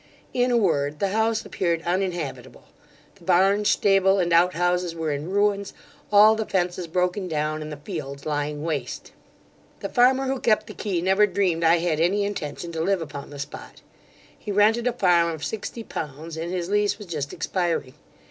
In a word, the house appeared uninhabitable; the barn, stable, and outhouses were in ruins; all the fences broken down, and the fields lying waste. 'The farmer who kept the key never dreamed I had any intention to live upon the spot He rented a farm of sixty pounds, and his lease was just expiring.